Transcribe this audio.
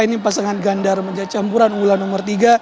ini pasangan gandar meja campuran unggulan nomor tiga